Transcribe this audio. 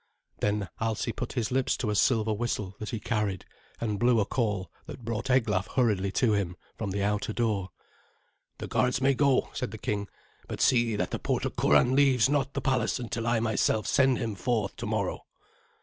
Then Alsi put his lips to a silver whistle that he carried, and blew a call that brought Eglaf hurriedly to him from the outer door. "The guards may go," said the king; "but see that the porter Curan leaves not the palace until I myself send him forth tomorrow."